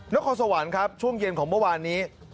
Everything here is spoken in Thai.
นครสวรรค์ครับช่วงเย็นของเมื่อวานนี้